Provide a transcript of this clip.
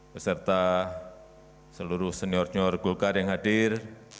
beserta seluruh senior senior golkar yang hadir